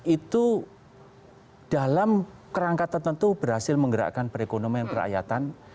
itu dalam kerangka tertentu berhasil menggerakkan perekonomian kerakyatan